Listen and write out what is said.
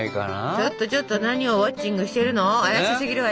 ちょっとちょっと何をウォッチングしてるの？